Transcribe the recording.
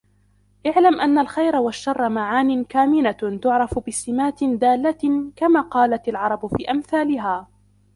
اعْلَمْ أَنَّ الْخَيْرَ وَالشَّرَّ مَعَانٍ كَامِنَةٌ تُعْرَفُ بِسِمَاتٍ دَالَّةٍ كَمَا قَالَتْ الْعَرَبُ فِي أَمْثَالِهَا